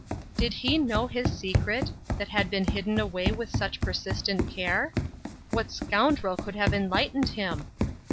Did he know his secret, that had been hidden away with such persistent care? What scoundrel could have enlightened him?